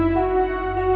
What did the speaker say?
terima kasih ya bu